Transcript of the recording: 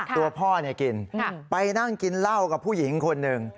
ตัวพ่อกินไปนั่งกินเหล้ากับผู้หญิงคนหนึ่ง